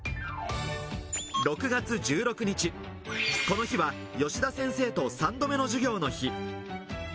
６月１６日、この日は吉田先生と３度目の授業の日。